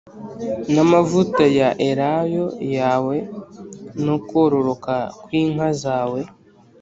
N amavuta ya elayo yawe no kororoka kw inka zawe